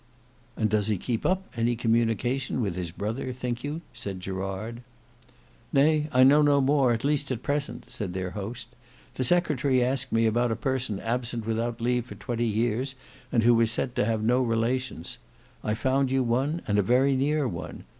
"And does he keep up any communication with his brother, think you?" said Gerard. "Nay, I know no more; at least at present," said their host. "The secretary asked me about a person absent without leave for twenty years and who was said to have no relations, I found you one and a very near one.